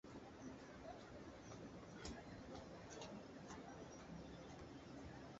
Bwɔ́ŋkə̂’ lû nyágə̀ fáŋ â zît jū ncùndá ŋkɔ̀k.